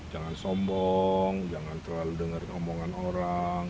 jangan sombong jangan terlalu dengar omongan orang